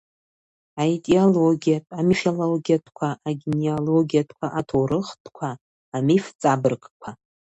Аетиологиатә, амифологиатәқәа, агенеалогиатәқәа, аҭоурыхтәқәа , амиф-ҵабыргқәа.